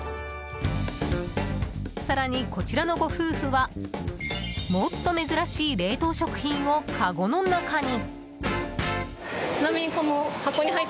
更に、こちらのご夫婦はもっと珍しい冷凍食品をかごの中に。